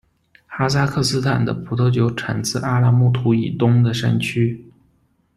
哈萨克斯坦的葡萄酒产自阿拉木图以东的山区。